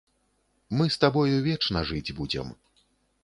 Мы з табою вечна жыць будзем.